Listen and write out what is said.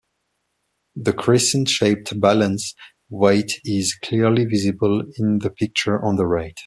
The crescent-shaped balance weight is clearly visible in the picture on the right.